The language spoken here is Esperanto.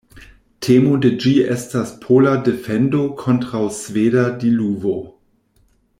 Temo de ĝi estas pola defendo kontraŭ sveda diluvo.